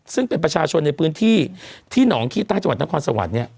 ซึ่งเป็นประชาชนในพื้นที่ที่หนองที่ใต้จังหวัดน้ำคอนสวัสดิ์